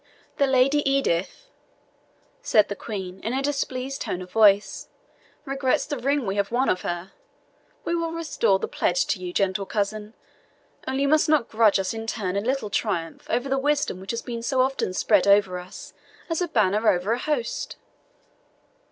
"The Lady Edith," said the Queen, in a displeased tone of voice, "regrets the ring we have won of her. We will restore the pledge to you, gentle cousin; only you must not grudge us in turn a little triumph over the wisdom which has been so often spread over us, as a banner over a host."